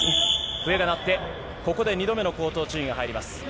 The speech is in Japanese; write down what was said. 笛が鳴って、ここで２度目の口頭注意が入ります。